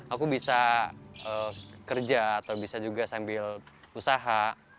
aku bisa kerja atau bisa juga sambil usaha